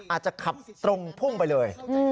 อาจจะขับตรงพุ่งไปเลย